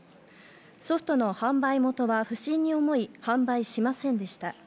ソフトな販売元は不審に思い販売しませんでした。